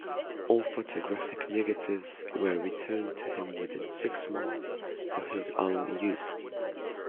All photographic negatives were returned to him within six months for his own use.